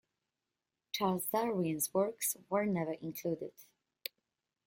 Charles Darwin's works were never included.